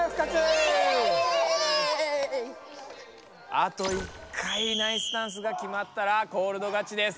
あと１回ナイスダンスがきまったらコールド勝ちです。